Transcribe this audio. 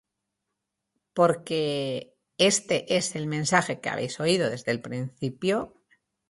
Porque, este es el mensaje que habéis oído desde el principio: